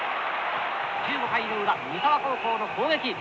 １５回の裏三沢高校の攻撃。